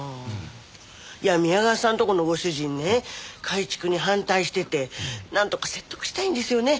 いや宮川さんとこのご主人ね改築に反対しててなんとか説得したいんですよね。